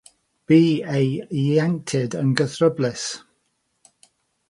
Bu ei ieuenctid yn gythryblus.